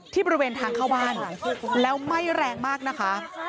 บริเวณทางเข้าบ้านแล้วไหม้แรงมากนะคะ